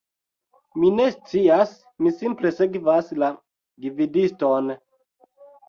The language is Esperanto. Mi ne scias, mi simple sekvas la gvidiston